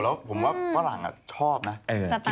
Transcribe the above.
แล้วผมว่าฝรั่งชอบนะ